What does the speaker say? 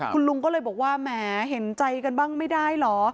คุณลุงก็เลยบอกว่าแหมเห็นใจกันบ้างไม่ได้เหรอ